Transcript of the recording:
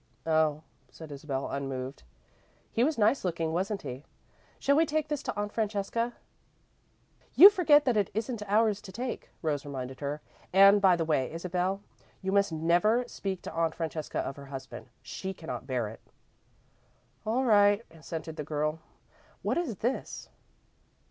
"Oh," said Isabel, unmoved. "He was nice looking, wasn't he? Shall we take this to Aunt Francesca?" "You forget that it isn't ours to take," Rose reminded her. "And, by the way, Isabel, you must never speak to Aunt Francesca of her husband. She cannot bear it." "All right," assented the girl. "What is this?"